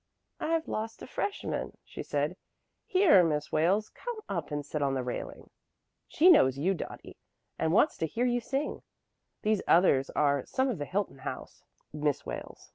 "I've lost a freshman," she said, "Here, Miss Wales, come up and sit on the railing. She knows you, Dottie, and she wants to hear you sing. These others are some of the Hilton House, Miss Wales.